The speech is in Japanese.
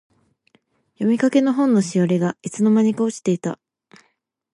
読みかけの本のしおりが、いつの間にか落ちていた。